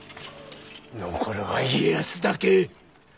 残るは家康だけ！